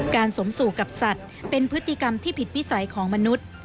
สมสู่กับสัตว์เป็นพฤติกรรมที่ผิดวิสัยของมนุษย์